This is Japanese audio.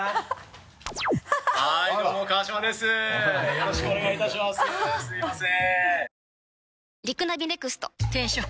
よろしくお願いいたしますすみません。